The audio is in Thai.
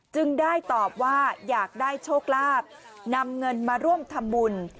จึงได้ตอบว่าอยากได้โชคลาภนำเงินมาร่วมทำบุญ